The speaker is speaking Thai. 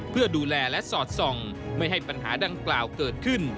เพื่อดูแลและสอดส่องไม่ให้ปัญหาดังกล่าวเกิดขึ้น